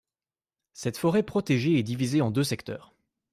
Cette forêt protégée est divisée en deux secteurs.